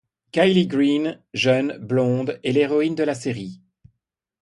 Kelly Green, jeune, blonde, est l'héroïne de la série.